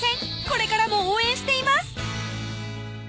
これからも応援しています